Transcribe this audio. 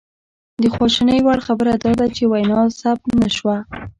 د خواشینۍ وړ خبره دا ده چې وینا ثبت نه شوه